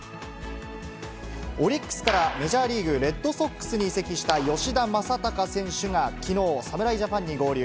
オリックスからメジャーリーグ・レッドソックスに移籍した吉田正尚選手がきのう、侍ジャパンに合流。